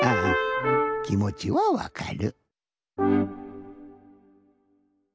きもちはわかる。